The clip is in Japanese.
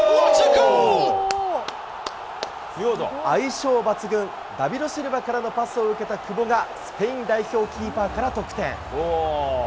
相性抜群、ダビド・シルバからのパスを受けた久保が、スペイン代表キーパーから得点。